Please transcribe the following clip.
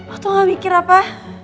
lo tuh gak mikir apa